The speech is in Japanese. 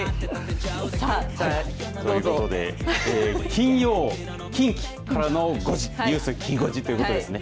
金曜、近畿からの５時ニュースきん５時ということですね